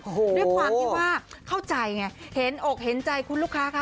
โอ้โหด้วยความที่ว่าเข้าใจไงเห็นอกเห็นใจคุณลูกค้าคะ